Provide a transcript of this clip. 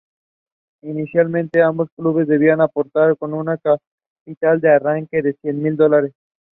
This programme will help companies over the transition period.